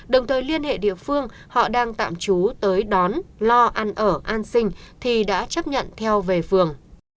đồng thời liên hệ địa phương họ đang tạm trú tới đón lo ăn ở an sinh thì đã chấp nhận theo về phường